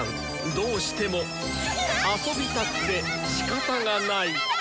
どうしても遊びたくてしかたがない！